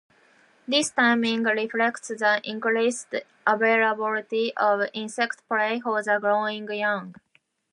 This timing reflects the increased availability of insect prey for the growing young.